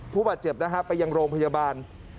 ผู้บาดเจ็บนะฮะไปยังโรงพยาบาล